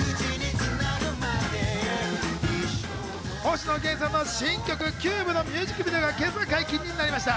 星野源さんの新曲『Ｃｕｂｅ』のミュージックビデオが今朝解禁になりました。